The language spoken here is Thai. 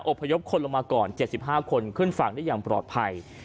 พยพคนลงมาก่อน๗๕คนขึ้นฝั่งได้อย่างปลอดภัย